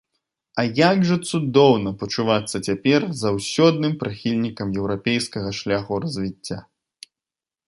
А як жа цудоўна пачувацца цяпер заўсёдным прыхільнікам еўрапейскага шляху развіцця!